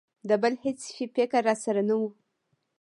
د بل هېڅ شي فکر را سره نه و.